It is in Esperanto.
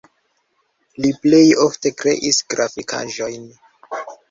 Li plej ofte kreis grafikaĵojn.